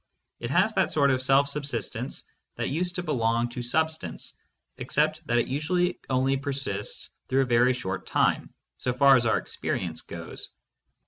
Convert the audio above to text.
It has that sort of self subsis tence that used to belong to substance, except that it usually only persists through a very short time, so far as our ex perience goes.